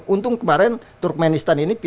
untung kemarin turkmenistan ini